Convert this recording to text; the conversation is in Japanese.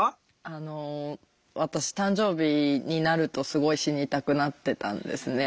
あの私誕生日になるとすごい死にたくなってたんですね。